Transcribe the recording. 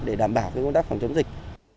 để đảm bảo công tác phòng chống dịch